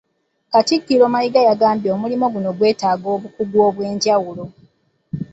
Katikkiro Mayiga yagamba nti omulimu guno gwetaaga obukugu obw'enjawulo